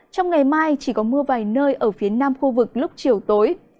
trong ngày mai chỉ có mưa vài nơi ở phía nam khu vực lúc chiều tối